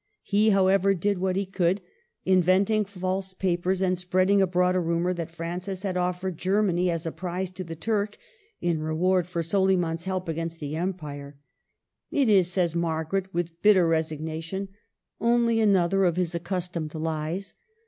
He, however, did what he could, inventing false papers and spreading abroad a rumor that Francis had offered Ger many as a prize to the Turk in reward for Soli man's help against the Empire. '' It is," says Margaret, with bitter resignation, *' only another of his accustomed lies."